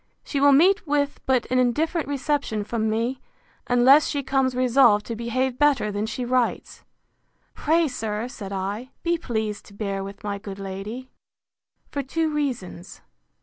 She will meet with but an indifferent reception from me, unless she comes resolved to behave better than she writes. Pray, sir, said I, be pleased to bear with my good lady, for two reasons.